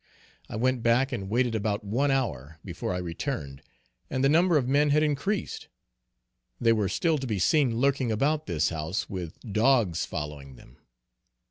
I went back and waited about one hour, before I returned, and the number of men had increased. They were still to be seen lurking about this house, with dogs following them.